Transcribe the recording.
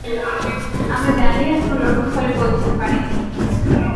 আমরা জানি, এখনও লক্ষ্যস্থলে পৌঁছিতে পারি নাই।